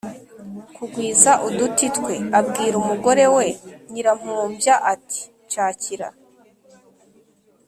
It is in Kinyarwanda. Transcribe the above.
kugwiza uduti twe, abwira umugore we Nyirampumbya ati: “Nshakira